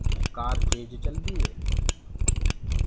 ڪآر تيج چلدي هي۔